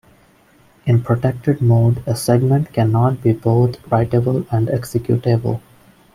In protected mode a segment can not be both writable and executable.